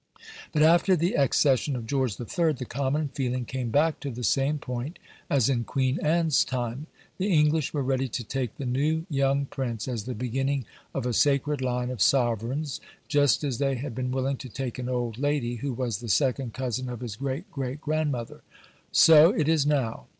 But after the accession of George III. the common feeling came back to the same point as in Queen Anne's time. The English were ready to take the new young prince as the beginning of a sacred line of sovereigns, just as they had been willing to take an old lady, who was the second cousin of his great great grandmother. So it is now.